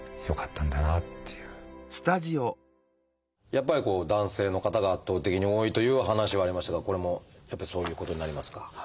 やっぱりこう男性の方が圧倒的に多いという話はありましたがこれもやっぱりそういうことになりますか？